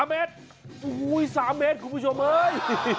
๕เมตรโอ้โห๓เมตรคุณผู้ชมเอ้ย